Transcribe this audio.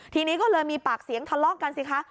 ทีนี้ก็เลยมีปากเสียงทะเลาะกันสิคะ